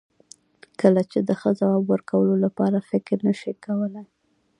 کله چې د ښه ځواب ورکولو لپاره فکر نشې کولای.